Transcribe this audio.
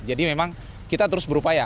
jadi memang kita terus berupaya